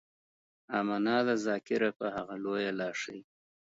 امنا ده ذاکره په هغه لويه لاښي.